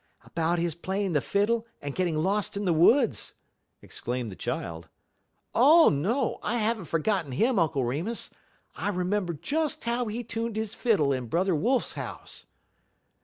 "About his playing the fiddle and getting lost in the woods!" exclaimed the child. "Oh, no, I have n't forgotten him, Uncle Remus. I remember just how he tuned his fiddle in Brother Wolf's house."